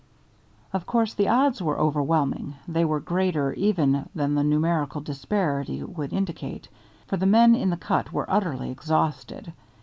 Of course the odds were overwhelming; they were greater even than the numerical disparity would indicate, for the men in the cut were utterly exhausted.